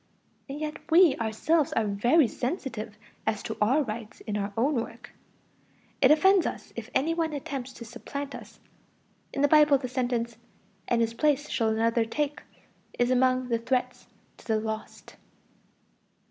And yet we ourselves are very sensitive as to our rights in our own work; it offends us if any one attempts to supplant us; in the Bible the sentence, "And his place shall another take" is among the threats to the lost.